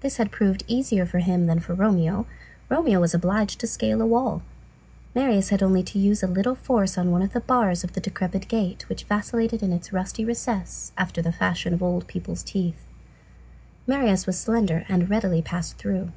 This had even proved easier for him than for Romeo; Romeo was obliged to scale a wall, Marius had only to use a little force on one of the bars of the decrepit gate which vacillated in its rusty recess, after the fashion of old people's teeth. Marius was slender and readily passed through.